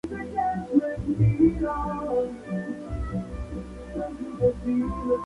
Sin embargo, una vez en Chile apelaron y la corte suprema les condenó nuevamente.